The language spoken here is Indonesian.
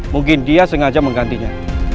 mungkin dia sengaja menggantinya